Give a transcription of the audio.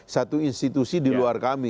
satu institusi di luar kami